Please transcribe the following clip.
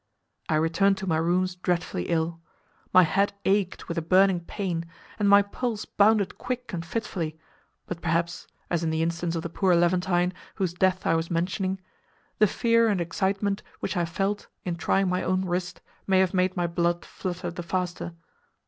I returned to my rooms dreadfully ill. My head ached with a burning pain, and my pulse bounded quick and fitfully, but perhaps (as in the instance of the poor Levantine, whose death I was mentioning), the fear and excitement which I felt in trying my own wrist may have made my blood flutter the faster.